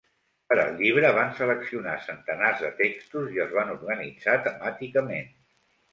Per al llibre, van seleccionar centenars de textos i els van organitzar temàticament.